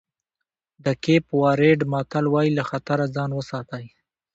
د کېپ ورېډ متل وایي له خطره ځان وساتئ.